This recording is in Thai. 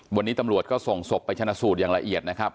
วันนี้ตำรวจก็ส่งศพไปชนะสูตรอย่างละเอียดนะครับ